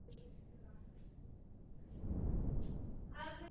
Autobus měl černou barvu a byl rozdělen na malé cely.